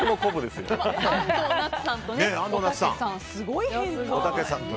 すごい変化。